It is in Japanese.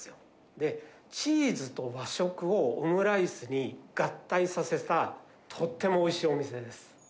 で、チーズと和食をオムライスに合体させた、とってもおいしいお店です。